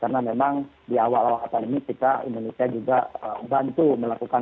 karena memang di awal awal kapan ini kita indonesia juga bantu melakukan